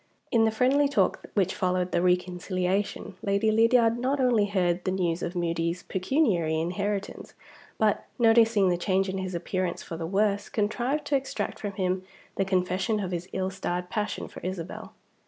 In the friendly talk which followed the reconciliation, Lady Lydiard not only heard the news of Moody's pecuniary inheritance but, noticing the change in his appearance for the worse, contrived to extract from him the confession of his ill starred passion for Isabel.